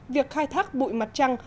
việc khai thác bụi mặt trăng